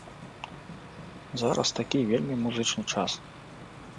Зараз такі вельмі музычны час.